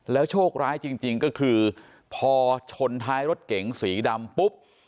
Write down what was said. โชคร้ายจริงก็คือพอชนท้ายรถเก๋งสีดำปุ๊บ